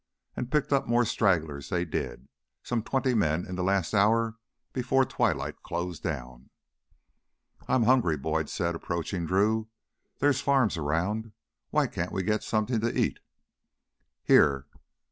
And pick up more stragglers they did some twenty men in the last hour before twilight closed down. "I'm hungry," Boyd said, approaching Drew. "There're farms around. Why can't we get something to eat?" "Here."